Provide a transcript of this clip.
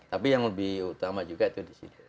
tapi yang lebih utama juga itu di situ